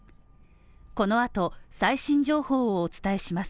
この後、最新情報をお伝えします。